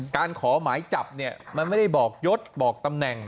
ขอหมายจับเนี่ยมันไม่ได้บอกยศบอกตำแหน่ง